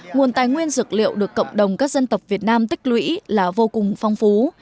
nguồn tài nguyên dược liệu được cộng đồng các dân tộc việt nam tích lũy là vô cùng phong phú